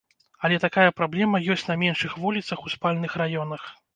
Але такая праблема ёсць на меншых вуліцах у спальных раёнах.